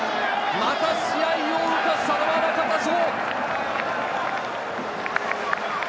また試合を動かしたのは中田翔！